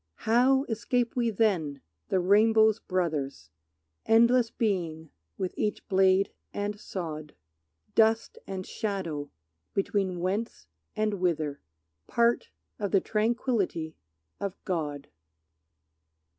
How escape we then, the rainbow's brothers, Endless being with each blade and sod? Dust and shadow between whence and whither, Part of the tranquillity of God.